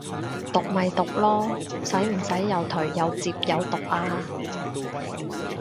毒咪毒囉，使唔使又頹又摺又毒啊